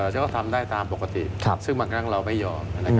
ฉันก็ทำได้ตามปกติซึ่งบางครั้งเราไม่ยอม